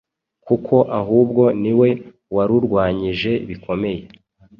kuko ahubwo niwe warurwanyije bikomeye